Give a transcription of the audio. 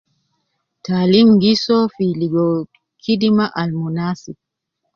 Taalim gi soo fi ligo kidima al munaasib.